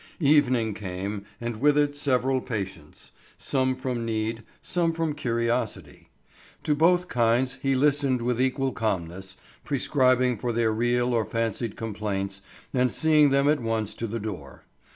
Evening came and with it several patients; some from need, some from curiosity. To both kinds he listened with equal calmness, prescribing for their real or fancied complaints and seeing them at once to the door.